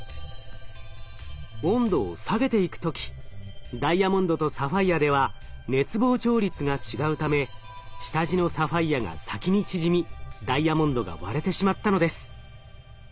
温度を下げていく時ダイヤモンドとサファイアでは熱膨張率が違うため下地のサファイアが先に縮みダイヤモンドが割れてしまったのです。